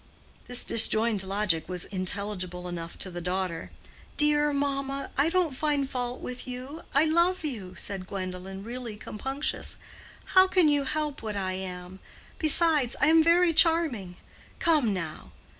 This disjoined logic was intelligible enough to the daughter. "Dear mamma, I don't find fault with you—I love you," said Gwendolen, really compunctious. "How can you help what I am? Besides, I am very charming. Come, now."